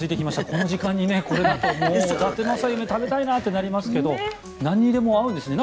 この時間にこれだともうだて正夢食べたいなってなりますけどなんにでも合うんですね。